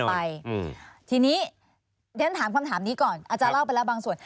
ไปอืมทีนี้เรียนถามคำถามนี้ก่อนอาจารย์เล่าไปแล้วบางส่วน